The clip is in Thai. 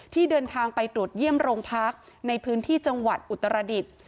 ที่เดินทางไปตรวจเยี่ยมโรงพักในพื้นที่จังหวัดอุตรดิษฐ์